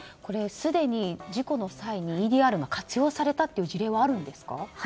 すでに事故の際に、ＥＤＲが活用されたという事例はあるんですか？